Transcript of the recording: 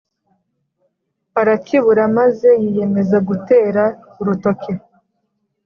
arakibura, maze yiyemeza gutera urutoke,